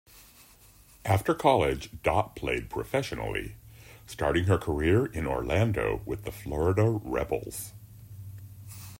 After college Dot played professionally, starting her career in Orlando with the Florida Rebels.